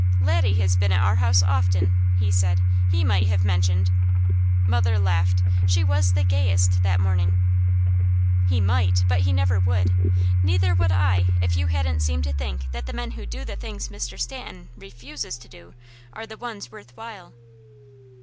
"Laddie has been at our house often," he said. "He might have mentioned " Mother laughed. She was the gayest that morning. "He 'might,' but he never would. Neither would I if you hadn't seemed to think that the men who do the things Mr. Stanton REFUSES to do are the ones worth while."